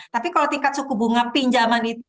tapi kalau tingkat suku bunga pinjaman itu